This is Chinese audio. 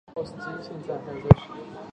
父亲是织田信秀。